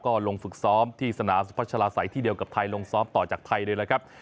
ก็ลงฝึกซ้อมที่สนามสุพัชลาศัยที่เดียวกับไทยลงซ้อมต่อจากไทยเลยนะครับ